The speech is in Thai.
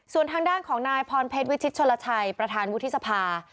ส่วนทางด้านของนายพรเพชรวิชิตชนลชัยประธานวุฒิสภา